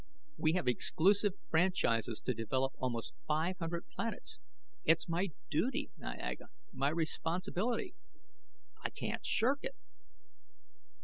We have exclusive franchises to develop almost five hundred planets. It's my duty, Niaga; my responsibility; I can't shirk it."